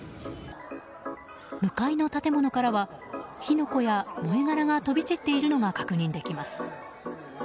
向かいの建物からは火の粉や燃え殻が飛び散っているのが確認できます。